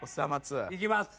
いきます。